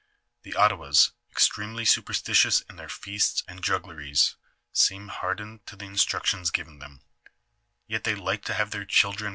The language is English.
The Ottawas, extremely su peistitious in their feasts and juggleries, seem hardened to the instructions given them, yet they like to have their children